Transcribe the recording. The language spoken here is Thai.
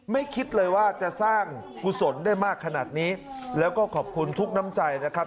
คิดเลยว่าจะสร้างกุศลได้มากขนาดนี้แล้วก็ขอบคุณทุกน้ำใจนะครับ